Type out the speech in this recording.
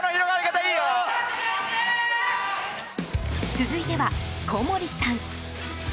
続いては、小森さん。